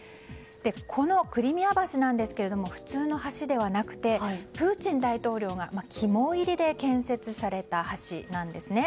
このクリミア橋なんですが普通の橋ではなくてプーチン大統領が肝煎りで建設された橋なんですね。